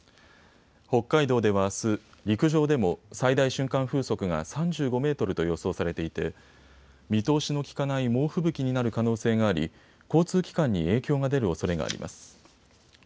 北海道ではあす陸上でも最大瞬間風速が３５メートルと予想されていて見通しのきかない猛吹雪になる可能性があり交通機関に影響が出るおそれがあります。